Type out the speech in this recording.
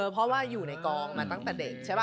เพราะว่าอยู่ในกองมาตั้งแต่เด็กใช่ป่